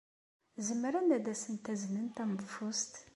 Zemren ad asent-aznen taneḍfust?